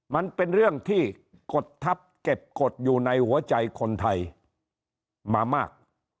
มันเป็นเรื่องที่กดทัพเก็บกฎอยู่ในหัวใจคนไทยมามาก